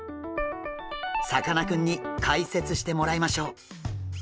さかなクンに解説してもらいましょう！